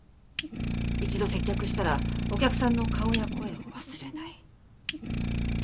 一度接客したらお客さんの顔や声を忘れない。